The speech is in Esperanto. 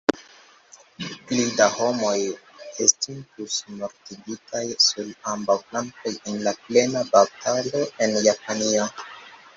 Pli da homoj estintus mortigitaj sur ambaŭ flankoj en plena batalo en Japanio.